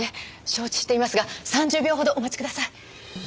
承知していますが３０秒ほどお待ちください。